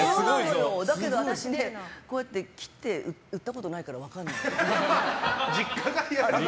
だけど私ね、こうやって切って売ったことないから実家が。